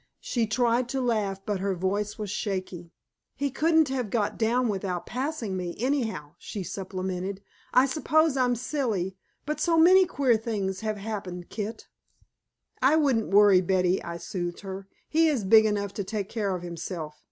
She tried to laugh, but her voice was shaky. "He couldn't have got down without passing me, anyhow," she supplemented. "I suppose I'm silly, but so many queer things have happened, Kit." "I wouldn't worry, Betty," I soothed her. "He is big enough to take care of himself.